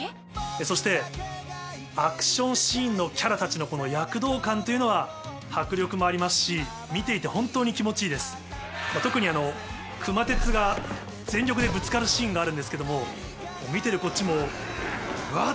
そしてアクションシーンのキャラたちの躍動感というのは迫力もありますし見ていて本当に気持ちいいです特に熊徹が全力でぶつかるシーンがあるんですけども見てるこっちもワッ！